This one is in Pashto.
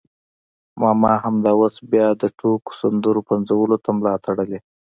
ماما همدا اوس بیا د ټوکو سندرو پنځولو ته ملا تړلې.